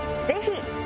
ぜひ。